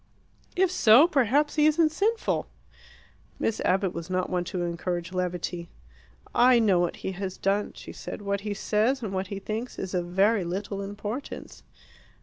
"If so, perhaps he isn't sinful!" Miss Abbott was not one to encourage levity. "I know what he has done," she said. "What he says and what he thinks is of very little importance."